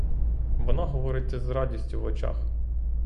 Вона говорить це з радістю в очах.